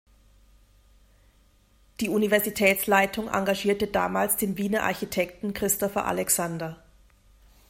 Die Universitätsleitung engagierte damals den Wiener Architekten Christopher Alexander.